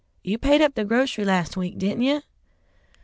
You paid up the grocery last week, didn't you!"